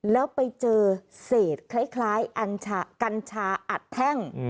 แล้วไปเจอเศษคล้ายกัญชาอัดแท่ง